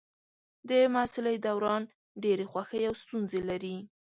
د محصلۍ دوران ډېرې خوښۍ او ستونزې لري.